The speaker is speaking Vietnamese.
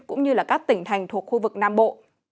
cũng như các tỉnh thành thuộc khu vực nam bộ